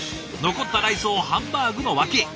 残ったライスをハンバーグの脇へ。